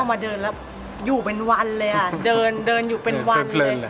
วาดมาเดินอยู่เป็นวันเลยอะเดินอยู่เป็นวันเลย